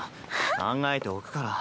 考えておくから。